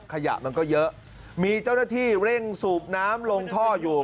ขยะมันก็เยอะมีเจ้าหน้าที่เร่งสูบน้ำลงท่ออยู่